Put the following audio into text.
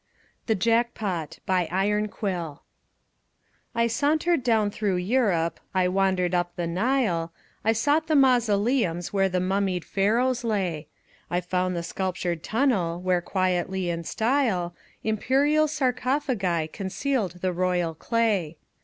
THE JACKPOT BY IRONQUILL I sauntered down through Europe, I wandered up the Nile, I sought the mausoleums where the mummied Pharaohs lay; I found the sculptured tunnel Where quietly in style Imperial sarcophagi concealed the royal clay.